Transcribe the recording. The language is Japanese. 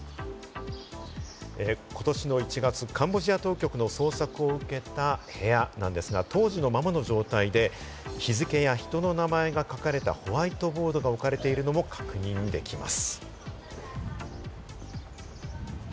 今年１月、カンボジア当局の捜索を受けた部屋なんですが、当時のままの状態で日付や人の名前が書かれたホワイトボードが置かれているのも確認できます。